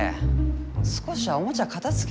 少しはおもちゃ片づけろよ！